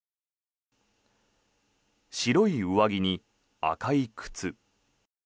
白い上着に赤い靴。